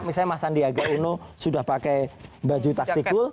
misalnya mas sandiaga uno sudah pakai baju taktikul